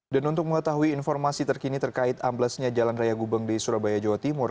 dan untuk mengetahui informasi terkini terkait amblesnya jalan raya gubeng di surabaya jawa timur